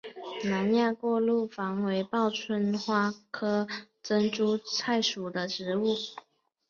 南亚过路黄为报春花科珍珠菜属的植物。